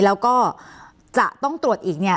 แล้วก็จะต้องตรวจอีกเนี่ย